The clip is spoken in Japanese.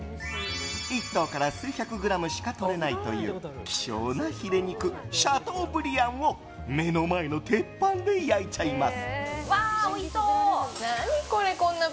１頭から数百グラムしか取れないという希少なヒレ肉シャトーブリアンを目の前の鉄板で焼いちゃいます。